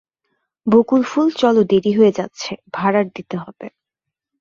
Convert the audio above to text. বকুলফুল, চলো দেরি হয়ে যাচ্ছে, ভাঁড়ার দিতে হবে।